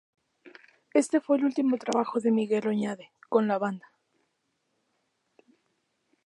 Este fue el último trabajo de Miguel Oñate con la banda.